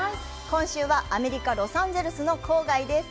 今週は、アメリカ、ロサンゼルスの郊外です。